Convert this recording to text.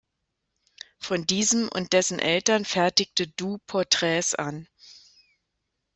Von diesem und dessen Eltern fertigte Dou Porträts an.